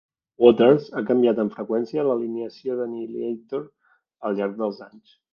Waters ha canviat amb freqüència l'alineació d'Annihilator al llarg dels anys.